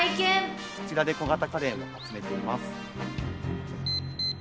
こちらで小型家電を集めています。